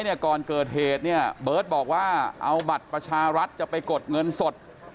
ก่อนเกิดเหตุเนี่ยเบิร์ตบอกว่าเอาบัตรประชารัฐจะไปกดเงินสด